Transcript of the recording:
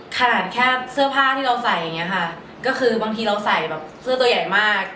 ขนาดแค่เสื้อผ้าที่เราใส่อย่างนี้ค่ะก็คือบางทีเราใส่แบบเสื้อตัวใหญ่มาก